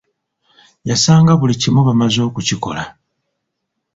Yasanga buli kimu baamaze okukikola.